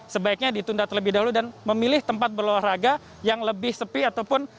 sebaiknya ditunda terlebih dahulu dan memilih tempat berolahraga yang lebih sepi ataupun